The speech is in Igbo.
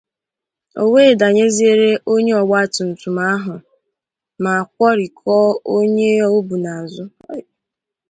o wee danyeziere onye ọgbatumtum ahụ ma kwọrikọọ onye o bu n'azụ.